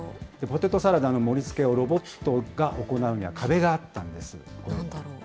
ポテトサラダの盛りつけをロボットが行うには壁があったんでなんだろう。